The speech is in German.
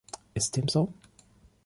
Ist dem so?